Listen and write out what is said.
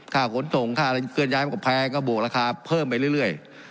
ขนส่งค่าอะไรเคลื่อนย้ายมันก็แพงก็บวกราคาเพิ่มไปเรื่อย